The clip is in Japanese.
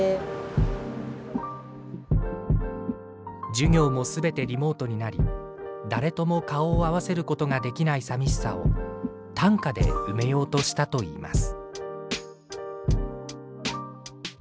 授業も全てリモートになり誰とも顔を合わせることができない寂しさを短歌で埋めようとしたといいます。